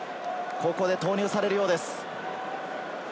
ここで投入されるようです。